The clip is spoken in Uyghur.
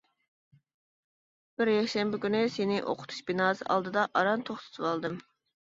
بىر يەكشەنبە كۈنى سېنى ئوقۇتۇش بىناسى ئالدىدا ئاران توختىتىۋالدىم.